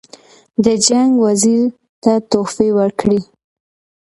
د جنګ وزیر ته تحفې ورکړي.